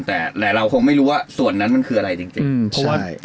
แต่แหละเราคงไม่รู้ว่าส่วนนั้นมันคืออะไรจริง